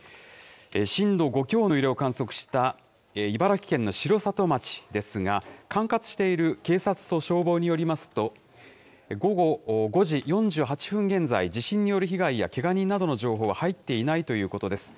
震度５強の揺れを観測した、茨城県の城里町ですが、管轄している警察と消防によりますと、午後５時４８分現在、地震による被害やけが人などの情報は入っていないということです。